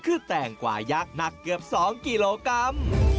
คือแตงกว่ายักษ์หนักเกือบ๒กิโลกรัม